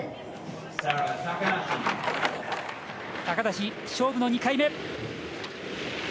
高梨、勝負の２回目。